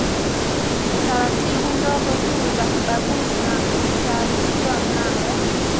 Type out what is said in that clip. Taratibu ndogo tu za kibaguzi na ilitaarifiwa mnamo